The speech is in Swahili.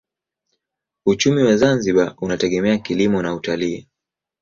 Uchumi wa Zanzibar unategemea kilimo na utalii.